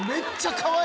かわいい。